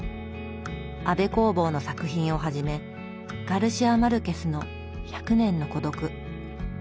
安部公房の作品をはじめガルシア・マルケスの「百年の孤独」。